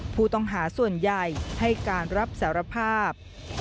ผู้ต้องหาส่วนใหญ่ให้การรับสารภาพ